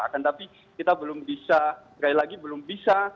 akan tapi kita belum bisa sekali lagi belum bisa